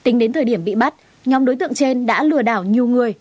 tính đến thời điểm bị bắt nhóm đối tượng trên đã lừa đảo nhiều người